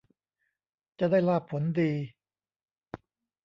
จะได้ลาภผลดี